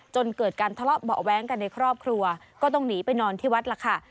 จนเกิดการทะเลาะเบาะแว้งกันในครอบครัวก็ต้องหนีไปนอนที่วัดล่ะค่ะ